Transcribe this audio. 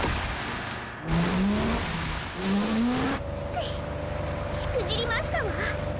くっしくじりましたわ。